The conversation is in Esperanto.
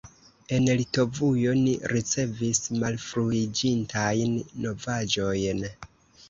En Litovujo ni ricevis malfruiĝintajn novaĵojn.